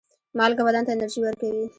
مالګه بدن ته انرژي ورکوي.